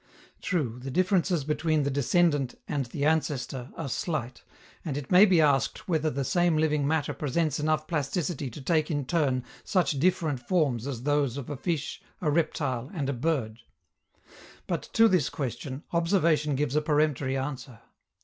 True, the differences between the descendant and the ancestor are slight, and it may be asked whether the same living matter presents enough plasticity to take in turn such different forms as those of a fish, a reptile and a bird. But, to this question, observation gives a peremptory answer.